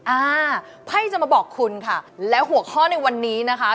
อ่าไพ่จะมาบอกคุณค่ะและหัวข้อในวันนี้นะคะ